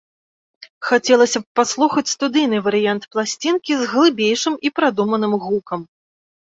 Хацелася б паслухаць студыйны варыянт пласцінкі з глыбейшым і прадуманым гукам.